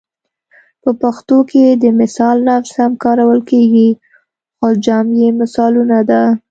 په پښتو کې د مثال لفظ هم کارول کیږي خو جمع یې مثالونه ده